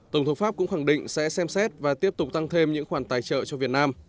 tổng thống pháp cũng khẳng định sẽ xem xét và tiếp tục tăng thêm những khoản tài trợ cho việt nam